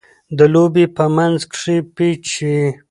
د لوبي په منځ کښي پېچ يي.